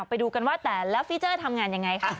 ไปดูกันว่าแต่ละฟีเจอร์ทำงานยังไงค่ะ